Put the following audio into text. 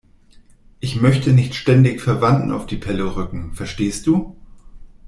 Ich möchte nicht ständig Verwandten auf die Pelle rücken, verstehst du?